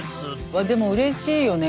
わっでもうれしいよね